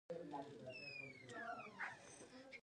ځمکنی شکل د افغانستان د موسم د بدلون سبب کېږي.